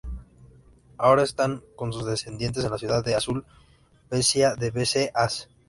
Ahora están con sus descendientes en la ciudad de Azul, pcia de Bs As